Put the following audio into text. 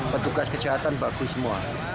petugas kesehatan bagus semua